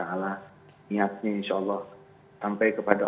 niatnya insyaallah sampai kepada